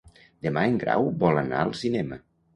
Demà en Grau vol anar al cinema.